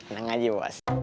neng aja bos